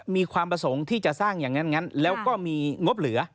มีความประสงค์ที่จะสร้างอย่างนั้นแล้วก็มีงบเหลือ